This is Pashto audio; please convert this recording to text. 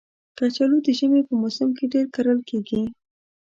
کچالو د ژمي په موسم کې ډېر کرل کېږي